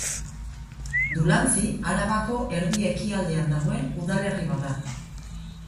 Dulantzi Arabako erdi-ekialdean dagoen udalerri bat da.